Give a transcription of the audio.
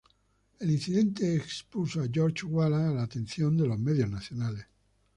El incidente expuso a George Wallace a la atención de los medios nacionales.